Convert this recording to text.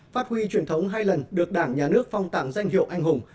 phát huy truyền thống hai lần được đảng nhà nước phong tặng danh hiệu anh hùng